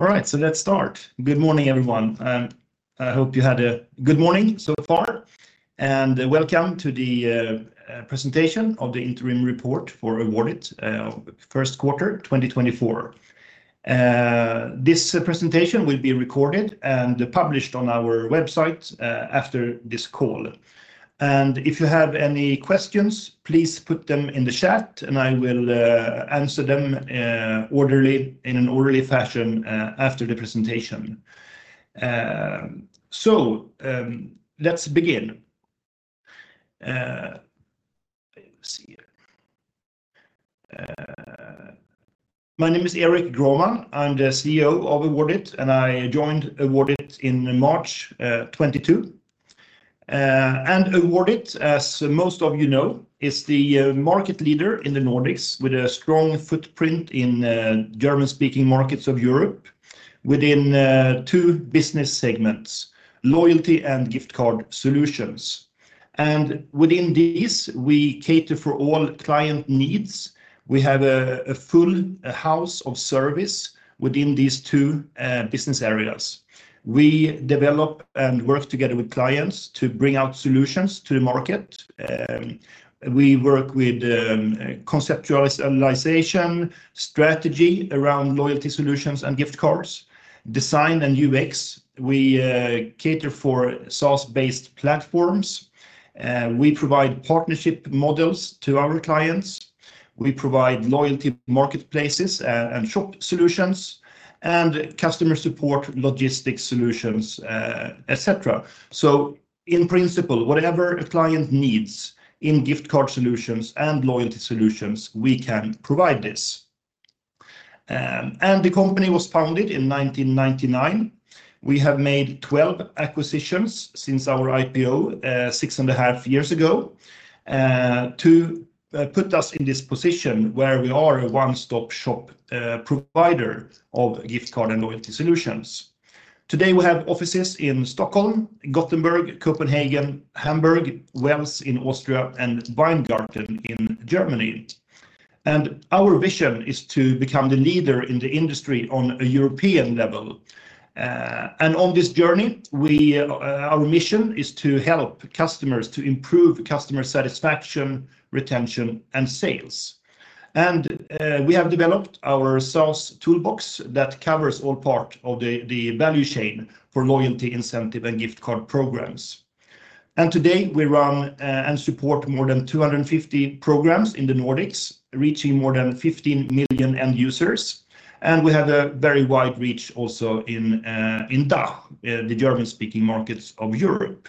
All right, so let's start. Good morning, everyone, and I hope you had a good morning so far, and welcome to the presentation of the interim report for Awardit, first quarter, 2024. This presentation will be recorded and published on our website after this call. If you have any questions, please put them in the chat, and I will answer them orderly, in an orderly fashion, after the presentation. Let's begin. Let's see here. My name is Erik Grohman. I'm the CEO of Awardit, and I joined Awardit in March, 2022. Awardit, as most of you know, is the market leader in the Nordics, with a strong footprint in German-speaking markets of Europe within two business segments: loyalty and gift card solutions. And within these, we cater for all client needs. We have a full house of service within these two business areas. We develop and work together with clients to bring out solutions to the market. We work with conceptualization, strategy around loyalty solutions and gift cards, design and UX. We cater for SaaS-based platforms, we provide partnership models to our clients, we provide loyalty marketplaces, and shop solutions, and customer support, logistics solutions, et cetera. So in principle, whatever a client needs in gift card solutions and loyalty solutions, we can provide this. The company was founded in 1999. We have made 12 acquisitions since our IPO, 6.5 years ago, to put us in this position where we are a one-stop shop provider of gift card and loyalty solutions. Today, we have offices in Stockholm, Gothenburg, Copenhagen, Hamburg, Wels in Austria, and Weingarten in Germany. Our vision is to become the leader in the industry on a European level. On this journey, our mission is to help customers to improve customer satisfaction, retention, and sales. We have developed our SaaS toolbox that covers all parts of the value chain for loyalty, incentive, and gift card programs. Today, we run and support more than 250 programs in the Nordics, reaching more than 15 million end users, and we have a very wide reach also in DACH, the German-speaking markets of Europe.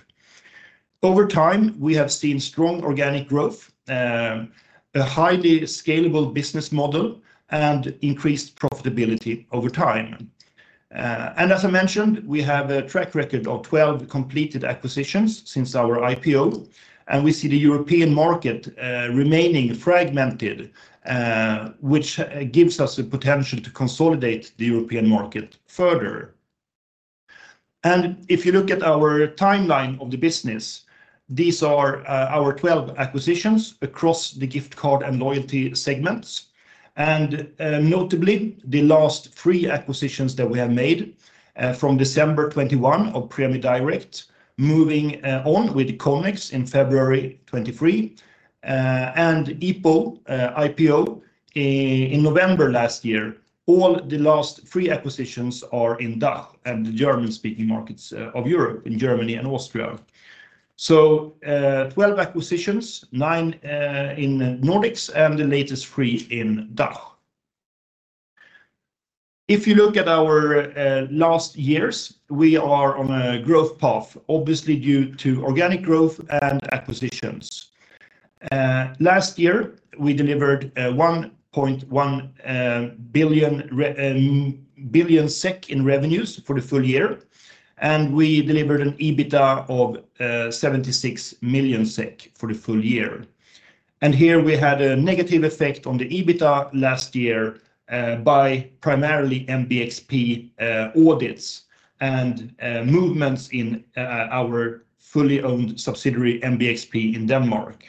Over time, we have seen strong organic growth, a highly scalable business model, and increased profitability over time. And as I mentioned, we have a track record of 12 completed acquisitions since our IPO, and we see the European market remaining fragmented, which gives us the potential to consolidate the European market further. And if you look at our timeline of the business, these are our 12 acquisitions across the gift card and loyalty segments, and notably, the last three acquisitions that we have made, from December 2021 of Prämie Direkt, moving on with Connex in February 2023, and IPO in November last year. All the last three acquisitions are in DACH and the German-speaking markets of Europe, in Germany and Austria. Twelve acquisitions, nine in Nordics, and the latest three in DACH. If you look at our last years, we are on a growth path, obviously due to organic growth and acquisitions. Last year, we delivered 1.1 billion SEK in revenues for the full year, and we delivered an EBITDA of 76 million SEK for the full year. Here we had a negative effect on the EBITDA last year, by primarily MBXP audits and movements in our fully owned subsidiary, MBXP, in Denmark.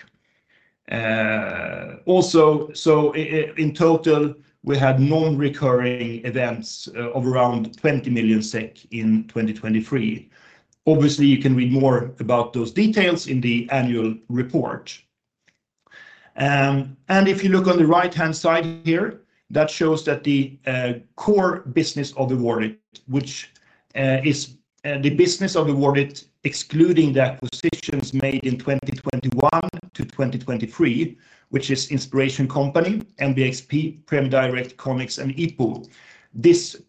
Also, so in total, we had non-recurring events of around 20 million SEK in 2023. Obviously, you can read more about those details in the annual report. And if you look on the right-hand side here, that shows that the core business of Awardit, which is the business of Awardit, excluding the acquisitions made in 2021 to 2023, which is Inspiration Company, MBXP, Prämie Direkt, Connex, and IPO. This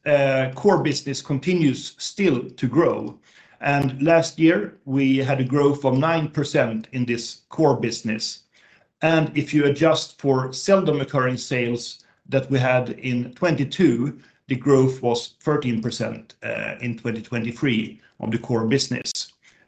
core business continues still to grow, and last year, we had a growth of 9% in this core business. And if you adjust for seldom occurring sales that we had in 2022, the growth was 13% in 2023 on the core business.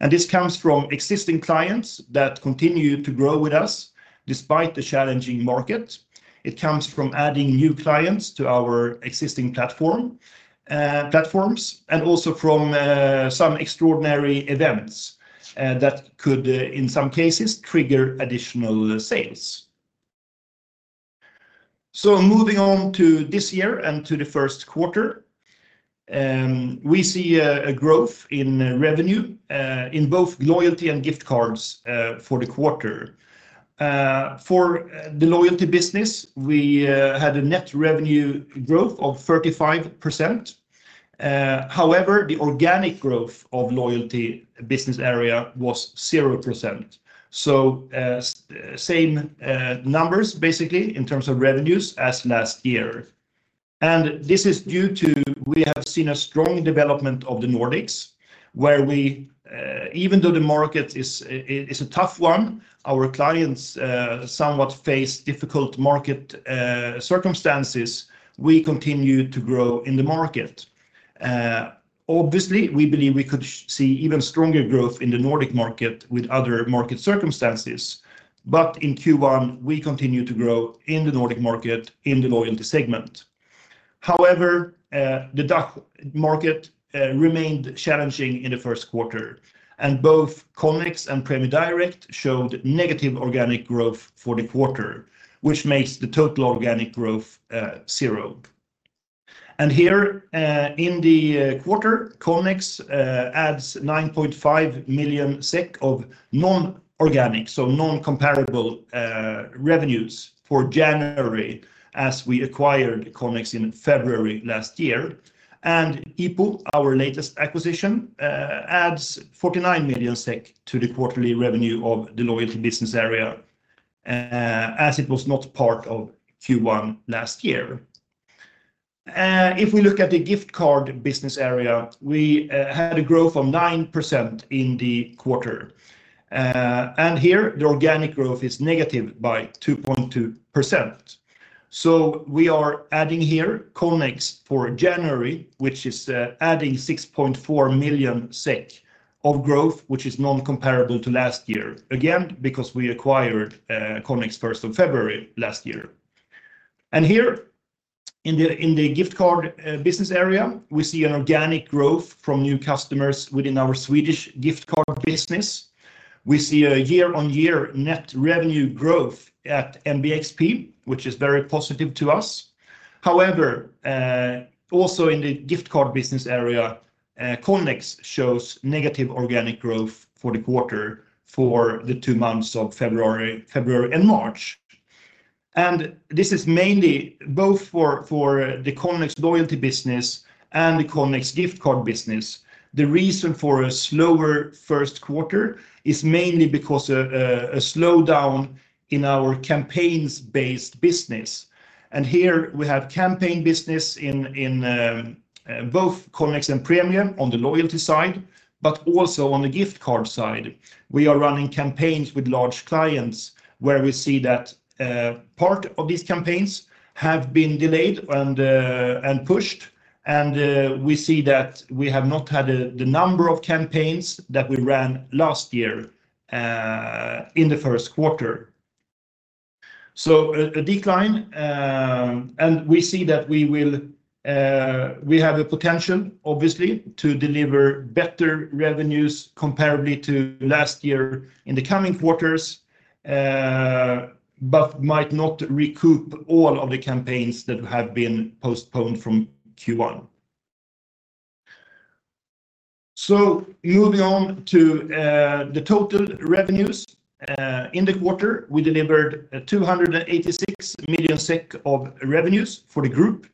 And this comes from existing clients that continue to grow with us, despite the challenging market. It comes from adding new clients to our existing platform, platforms, and also from some extraordinary events that could in some cases trigger additional sales. So moving on to this year and to the first quarter, we see a growth in revenue in both loyalty and gift cards for the quarter. For the loyalty business, we had a net revenue growth of 35%. However, the organic growth of loyalty business area was 0%. Same numbers basically in terms of revenues as last year. This is due to we have seen a strong development of the Nordics, where we even though the market is a tough one, our clients somewhat face difficult market circumstances, we continue to grow in the market. Obviously, we believe we could see even stronger growth in the Nordic market with other market circumstances. But in Q1, we continued to grow in the Nordic market, in the loyalty segment. However, the DACH market remained challenging in the first quarter, and both Connex and Prämie Direkt showed negative organic growth for the quarter, which makes the total organic growth zero. Here, in the quarter, Connex adds 9.5 million SEK of non-organic, so non-comparable, revenues for January, as we acquired Connex in February last year. IPO, our latest acquisition, adds 49 million SEK to the quarterly revenue of the loyalty business area, as it was not part of Q1 last year. If we look at the gift card business area, we had a growth of 9% in the quarter. And here, the organic growth is negative by 2.2%. So we are adding here Connex for January, which is adding 6.4 million SEK of growth, which is non-comparable to last year. Again, because we acquired Connex first of February last year. Here, in the gift card business area, we see an organic growth from new customers within our Swedish gift card business. We see a year-on-year net revenue growth at MBXP, which is very positive to us. However, also in the gift card business area, Connex shows negative organic growth for the quarter for the two months of February and March. This is mainly both for the Connex loyalty business and the Connex gift card business. The reason for a slower first quarter is mainly because a slowdown in our campaigns-based business. And here we have campaign business in both Connex and Prämie Direkt on the loyalty side, but also on the gift card side. We are running campaigns with large clients, where we see that part of these campaigns have been delayed and pushed, and we see that we have not had the number of campaigns that we ran last year in the first quarter. So a decline, and we see that we will have the potential, obviously, to deliver better revenues comparably to last year in the coming quarters, but might not recoup all of the campaigns that have been postponed from Q1. So moving on to the total revenues. In the quarter, we delivered 286 million SEK of revenues for the group,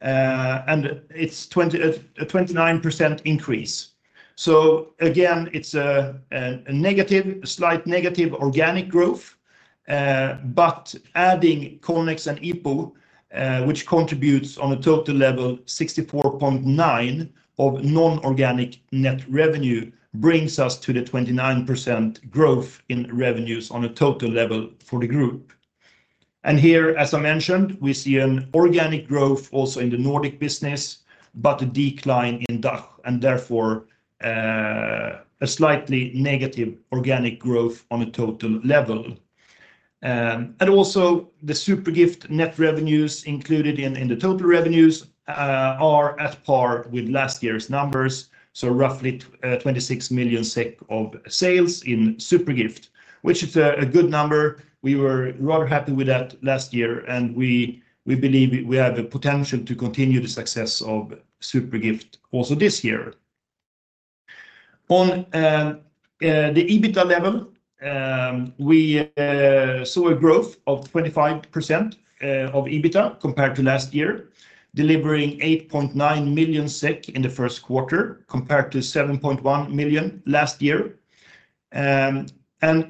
and it's a 29% increase. So again, it's a slight negative organic growth, but adding Connex and IPO, which contributes on a total level 64.9 of non-organic net revenue, brings us to the 29% growth in revenues on a total level for the group. And here, as I mentioned, we see an organic growth also in the Nordic business, but a decline in DACH, and therefore, a slightly negative organic growth on a total level. And also the SuperGift net revenues included in the total revenues are at par with last year's numbers, so roughly 26 million SEK of sales in SuperGift, which is a good number. We were rather happy with that last year, and we believe we have the potential to continue the success of SuperGift also this year. On the EBITDA level, we saw a growth of 25% of EBITDA compared to last year, delivering 8.9 million SEK in the first quarter, compared to 7.1 million last year. And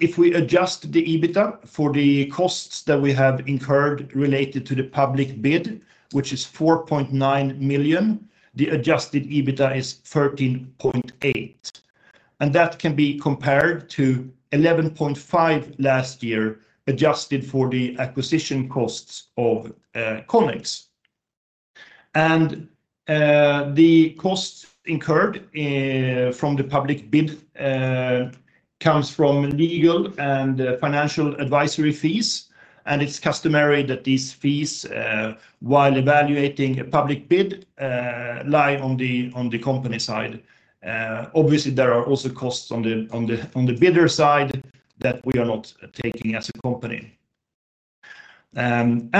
if we adjust the EBITDA for the costs that we have incurred related to the public bid, which is 4.9 million, the adjusted EBITDA is 13.8 million, and that can be compared to 11.5 million last year, adjusted for the acquisition costs of Connex. The costs incurred from the public bid comes from legal and financial advisory fees, and it's customary that these fees, while evaluating a public bid, lie on the company side. Obviously, there are also costs on the bidder side that we are not taking as a company... And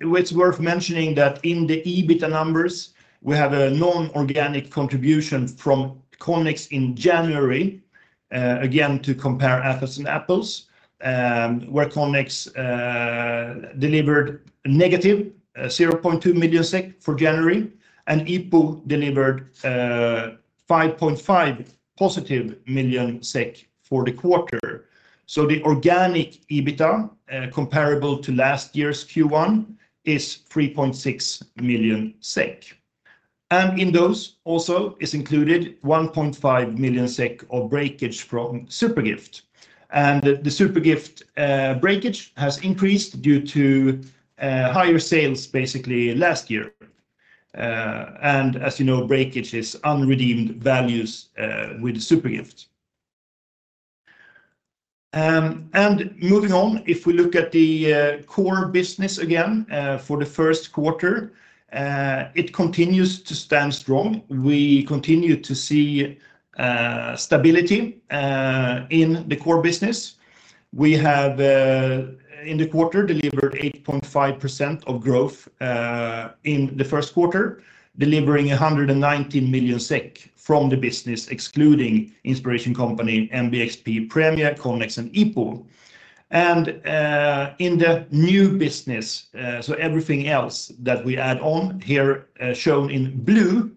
it's worth mentioning that in the EBITDA numbers, we have a non-organic contribution from Connex in January. Again, to compare apples and apples, where Connex delivered negative 0.2 million SEK for January, and IPO delivered 5.5 positive million SEK for the quarter. So the organic EBITDA comparable to last year's Q1 is 3.6 million SEK. And in those also is included 1.5 million SEK of breakage from SuperGift. The SuperGift breakage has increased due to higher sales, basically last year. As you know, breakage is unredeemed values with SuperGift. Moving on, if we look at the core business again for the first quarter, it continues to stand strong. We continue to see stability in the core business. We have in the quarter delivered 8.5% growth in the first quarter, delivering 119 million SEK from the business, excluding inspiration company, MBXP, Prämie Direkt, Connex, and IPO. In the new business, so everything else that we add on here shown in blue,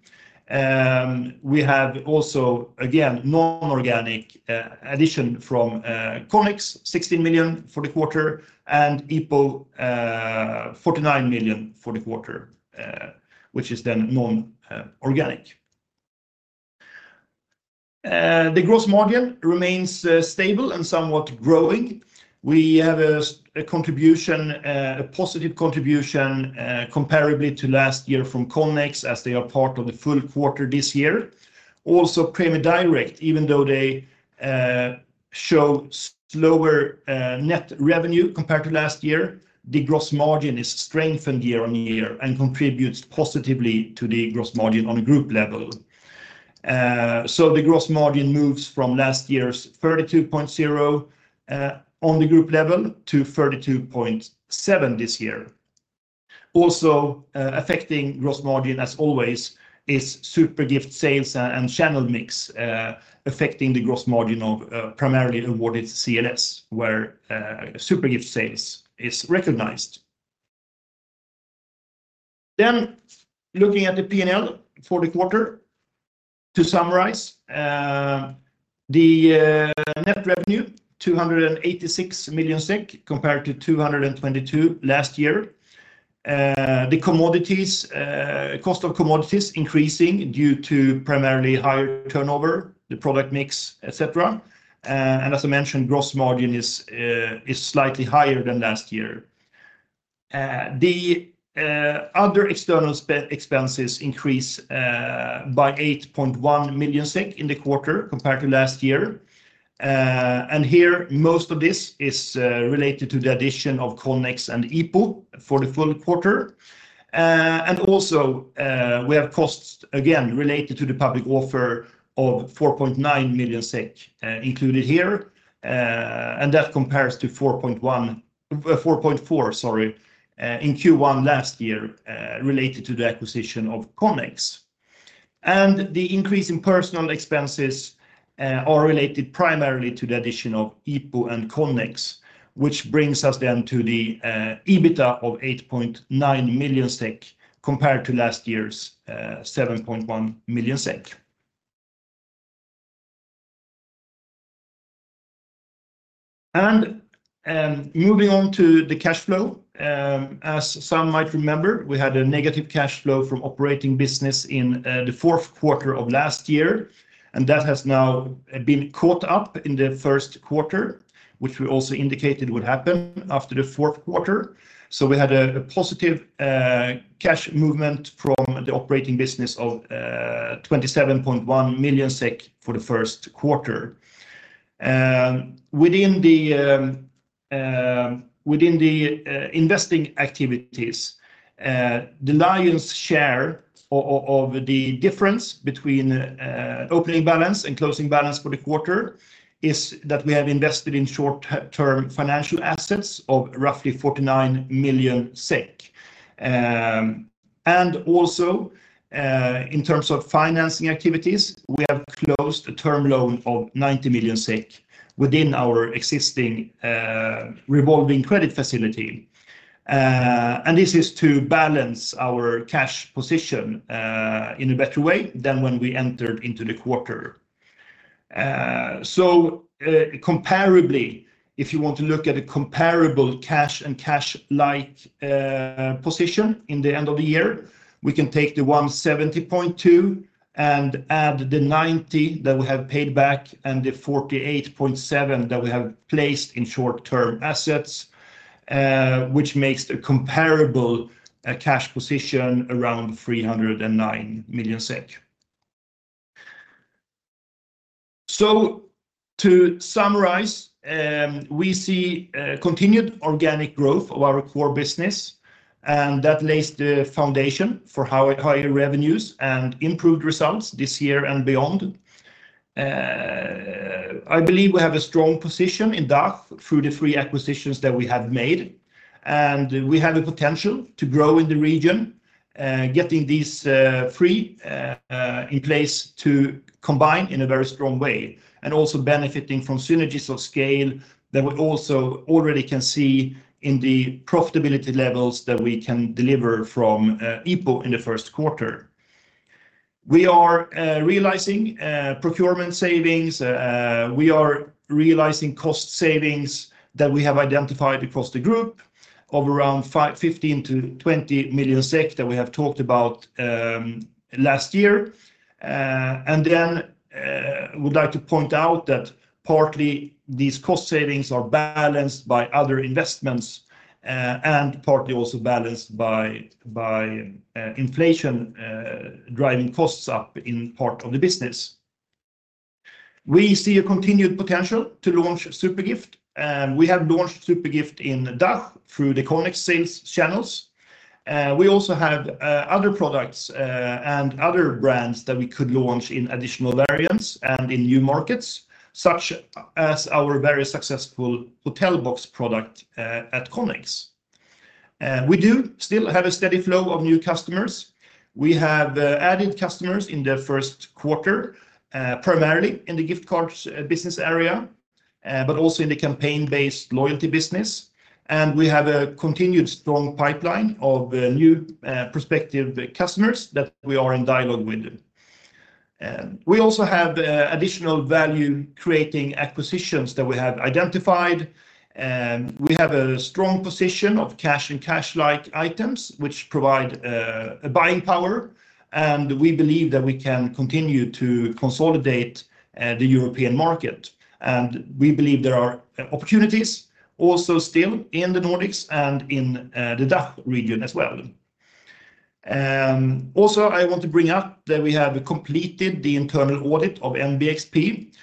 we have also again non-organic addition from Connex, 16 million for the quarter, and IPO, 49 million for the quarter, which is then non-organic. The gross margin remains stable and somewhat growing. We have a contribution, a positive contribution, comparably to last year from Connex, as they are part of the full quarter this year. Also, Prämie Direkt, even though they show slower net revenue compared to last year, the gross margin is strengthened year on year and contributes positively to the gross margin on a group level. So the gross margin moves from last year's 32.0 on the group level, to 32.7 this year. Also, affecting gross margin, as always, is SuperGift sales and channel mix affecting the gross margin of primarily Awardit CLS, where SuperGift sales is recognized. Looking at the P&L for the quarter, to summarize, the net revenue, 286 million SEK, compared to 222 million last year. The cost of commodities increasing due to primarily higher turnover, the product mix, et cetera. And as I mentioned, gross margin is slightly higher than last year. The other external expenses increase by 8.1 million SEK in the quarter compared to last year. And here, most of this is related to the addition of Connex and IPO for the full quarter. And also, we have costs again related to the public offer of 4.9 million SEK included here. That compares to 4.1, 4.4, sorry, SEK 4.4 million in Q1 last year, related to the acquisition of Connex. The increase in personnel expenses are related primarily to the addition of IPO and Connex, which brings us then to the EBITDA of 8.9 million SEK, compared to last year's 7.1 million SEK. Moving on to the cash flow, as some might remember, we had a negative cash flow from operating business in the fourth quarter of last year, and that has now been caught up in the first quarter, which we also indicated would happen after the fourth quarter. We had a positive cash movement from the operating business of 27.1 million SEK for the first quarter. Within the investing activities, the lion's share of the difference between opening balance and closing balance for the quarter is that we have invested in short-term financial assets of roughly 49 million SEK. And also, in terms of financing activities, we have closed a term loan of 90 million SEK within our existing revolving credit facility. And this is to balance our cash position in a better way than when we entered into the quarter. So, comparably, if you want to look at a comparable cash and cash-like position in the end of the year, we can take the 170.2 million and add the 90 million that we have paid back and the 48.7 million that we have placed in short-term assets, which makes the comparable cash position around SEK 309 million. So to summarize, we see continued organic growth of our core business, and that lays the foundation for higher, higher revenues and improved results this year and beyond. I believe we have a strong position in DACH through the three acquisitions that we have made, and we have the potential to grow in the region, getting these three in place to combine in a very strong way, and also benefiting from synergies of scale that we also already can see in the profitability levels that we can deliver from IPO in the first quarter. We are realizing procurement savings. We are realizing cost savings that we have identified across the group of around 15-20 million SEK, that we have talked about last year. And then would like to point out that partly these cost savings are balanced by other investments, and partly also balanced by, by inflation driving costs up in part of the business. We see a continued potential to launch SuperGift, and we have launched SuperGift in DACH through the Connex sales channels. We also have other products and other brands that we could launch in additional variants and in new markets, such as our very successful Hotelbox product at Connex. We do still have a steady flow of new customers. We have added customers in the first quarter, primarily in the gift cards business area, but also in the campaign-based loyalty business. And we have a continued strong pipeline of new prospective customers that we are in dialogue with. We also have additional value-creating acquisitions that we have identified. We have a strong position of cash and cash-like items, which provide a buying power, and we believe that we can continue to consolidate the European market. We believe there are opportunities also still in the Nordics and in the DACH region as well. Also, I want to bring up that we have completed the internal audit of MBXP,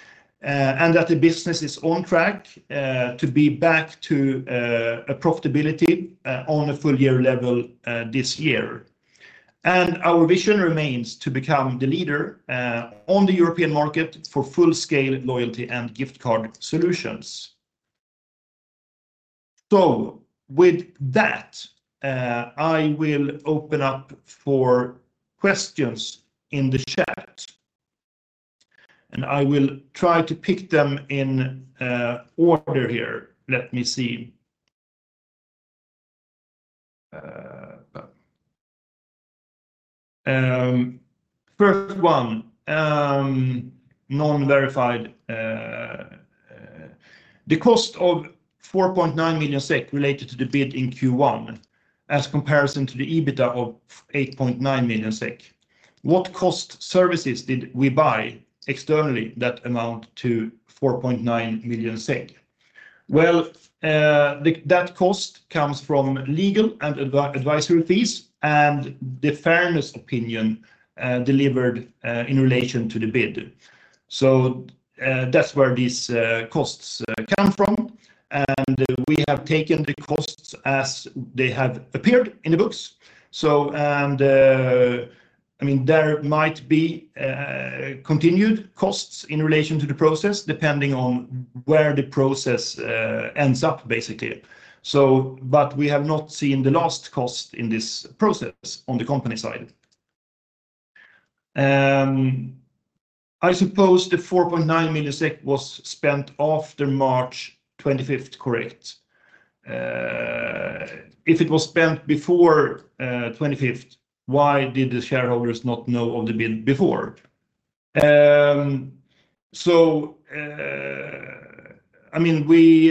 and that the business is on track to be back to a profitability on a full year level this year. Our vision remains to become the leader on the European market for full-scale loyalty and gift card solutions. So with that, I will open up for questions in the chat, and I will try to pick them in order here. Let me see. First one, non-verified. "The cost of 4.9 million SEK related to the bid in Q1 as comparison to the EBITDA of 8.9 million SEK, what cost services did we buy externally that amount to 4.9 million SEK?" Well, the, that cost comes from legal and advisory fees and the fairness opinion, delivered in relation to the bid. So, that's where these costs come from, and we have taken the costs as they have appeared in the books. So, and, I mean, there might be continued costs in relation to the process, depending on where the process ends up, basically. So, but we have not seen the last cost in this process on the company side. I suppose the 4.9 million was spent after March 25th, correct? If it was spent before, twenty-fifth, why did the shareholders not know of the bid before?" So, I mean, we,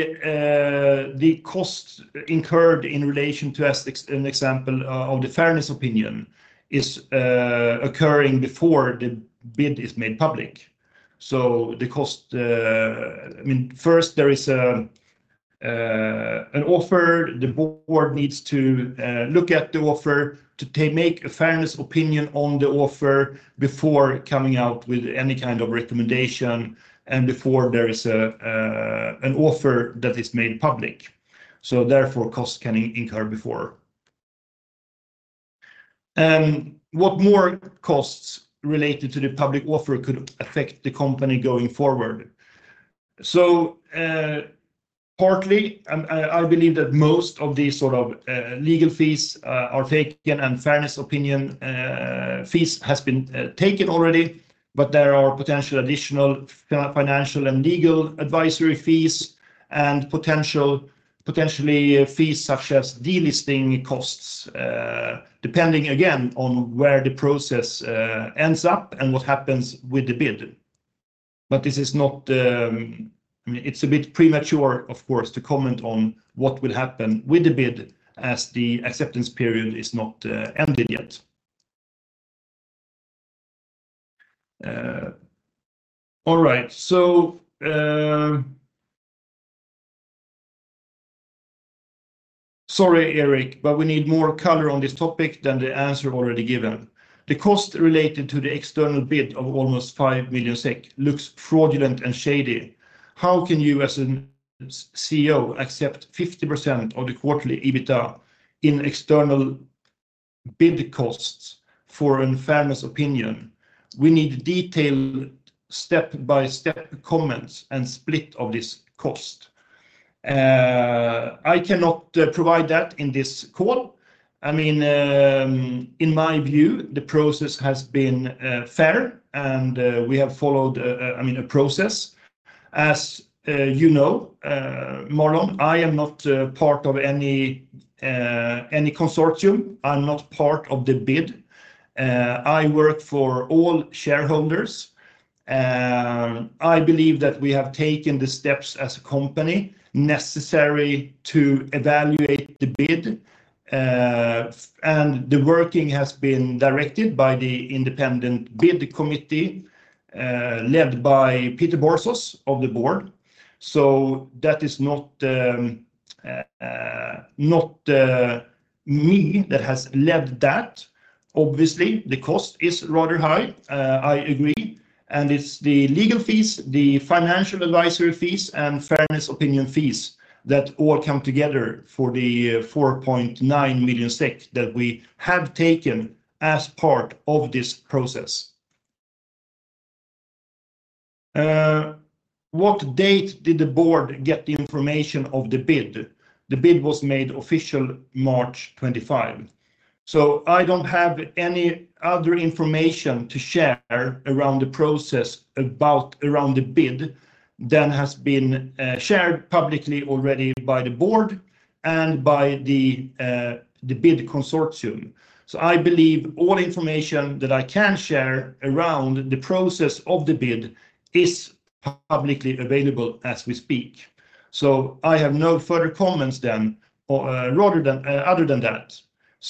the costs incurred in relation to, as an example, of the fairness opinion is, occurring before the bid is made public. So the cost. I mean, first there is a, an offer. The board needs to, look at the offer to take, make a fairness opinion on the offer before coming out with any kind of recommendation and before there is a, an offer that is made public, so therefore, costs can incur before. What more costs related to the public offer could affect the company going forward?" So, partly, and I, I believe that most of these sort of, legal fees, are taken and fairness opinion, fees has been, taken already, but there are potential additional financial and legal advisory fees, and potential, potentially fees such as delisting costs, depending, again, on where the process, ends up and what happens with the bid. But this is not, I mean, it's a bit premature, of course, to comment on what would happen with the bid as the acceptance period is not, ended yet. All right. So, "Sorry, Erik, but we need more color on this topic than the answer already given. The cost related to the external bid of almost 5 million SEK looks fraudulent and shady. How can you, as a CEO, accept 50% of the quarterly EBITDA in external bid costs for a fairness opinion? We need detailed step-by-step comments and split of this cost. I cannot provide that in this call. I mean, in my view, the process has been fair, and we have followed a process. As you know, Marlon, I am not part of any consortium. I'm not part of the bid. I work for all shareholders. I believe that we have taken the steps as a company necessary to evaluate the bid, and the working has been directed by the independent bid committee, led by Peter Borsos of the board. So that is not me that has led that. Obviously, the cost is rather high. I agree, and it's the legal fees, the financial advisory fees, and fairness opinion fees that all come together for the 4.9 million SEK that we have taken as part of this process. What date did the board get the information of the bid? The bid was made official March 25. So I don't have any other information to share around the process about around the bid than has been shared publicly already by the board and by the bid consortium. So I believe all information that I can share around the process of the bid is publicly available as we speak. So I have no further comments than or rather than other than that.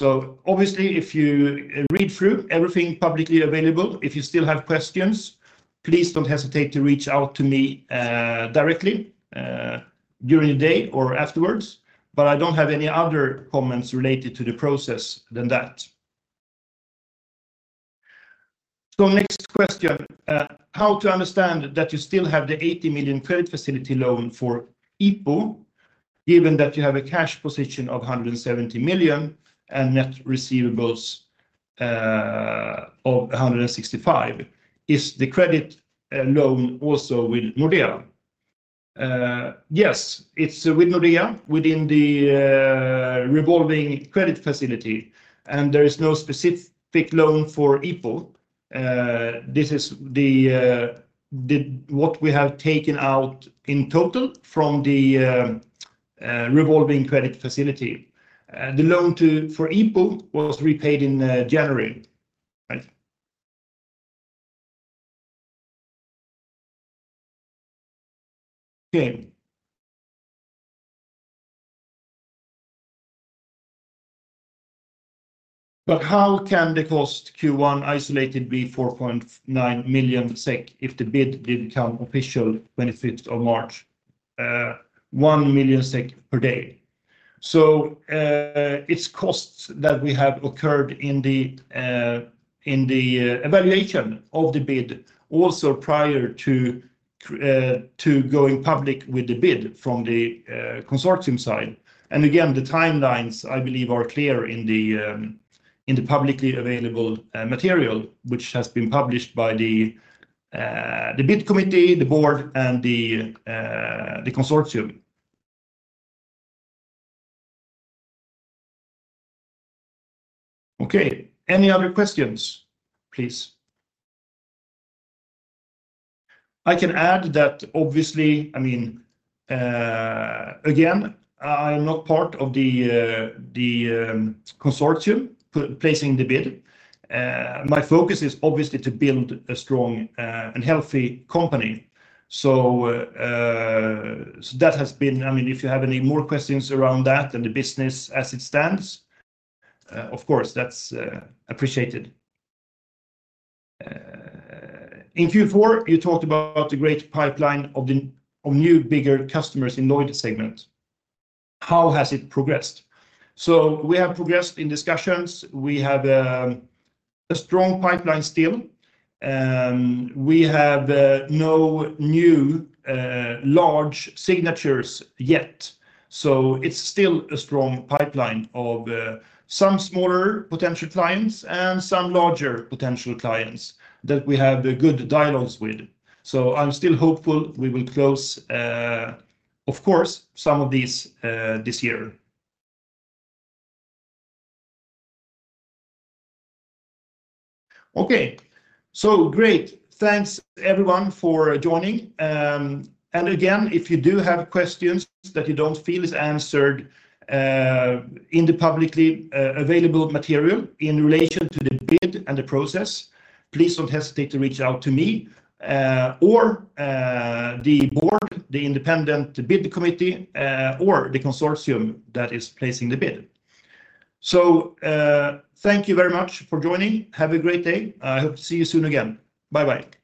So obviously, if you read through everything publicly available, if you still have questions, please don't hesitate to reach out to me directly during the day or afterwards, but I don't have any other comments related to the process than that. Next question. How to understand that you still have the 80 million credit facility loan for IPO, given that you have a cash position of 170 million and net receivables of 165 million? Is the credit loan also with Nordea? Yes, it's with Nordea, within the revolving credit facility, and there is no specific loan for IPO. This is what we have taken out in total from the revolving credit facility. The loan for IPO was repaid in January. Right. Okay. But how can the cost Q1 isolated be 4.9 million SEK if the bid did become official 25th of March? One million SEK per day. So, it's costs that we have occurred in the evaluation of the bid, also prior to going public with the bid from the consortium side. And again, the timelines, I believe, are clear in the publicly available material, which has been published by the bid committee, the board, and the consortium. Okay, any other questions, please? I can add that obviously, I mean, again, I'm not part of the consortium placing the bid. My focus is obviously to build a strong and healthy company. So, so that has been... I mean, if you have any more questions around that and the business as it stands, of course, that's appreciated. In Q4, you talked about the great pipeline of the new bigger customers in loyalty segment. How has it progressed? So we have progressed in discussions. We have a strong pipeline still. We have no new large signatures yet, so it's still a strong pipeline of some smaller potential clients and some larger potential clients that we have good dialogues with. So I'm still hopeful we will close, of course, some of these this year. Okay. So great. Thanks, everyone, for joining. And again, if you do have questions that you don't feel is answered, in the publicly available material in relation to the bid and the process, please don't hesitate to reach out to me, or the board, the independent bid committee, or the consortium that is placing the bid. So, thank you very much for joining. Have a great day. I hope to see you soon again. Bye-bye.